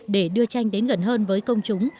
để đưa tranh đến gần hơn với công chúng